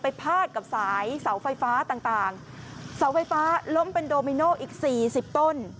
พาดกับสายเสาไฟฟ้าต่างต่างเสาไฟฟ้าล้มเป็นโดมิโนอีกสี่สิบต้น